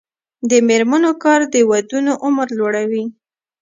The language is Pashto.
د میرمنو کار د ودونو عمر لوړوي.